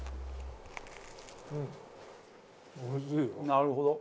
なるほど。